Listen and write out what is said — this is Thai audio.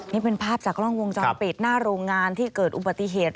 นี่เป็นภาพจากกล้องวงจรปิดหน้าโรงงานที่เกิดอุบัติเหตุ